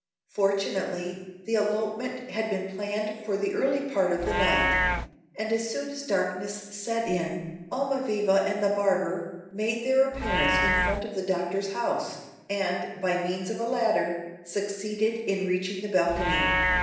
Fortunately, the elopement had been planned for the early part of the night; and as soon as darkness set in Almaviva and the barber made their appearance in front of the Doctor's house, and, by means of a ladder, succeeded in reaching the balcony.